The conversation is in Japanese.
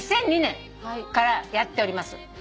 ２００２年からやっております。